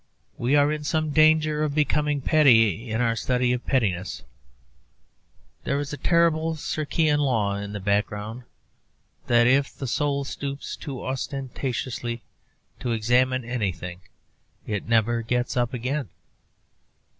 We are in some danger of becoming petty in our study of pettiness; there is a terrible Circean law in the background that if the soul stoops too ostentatiously to examine anything it never gets up again.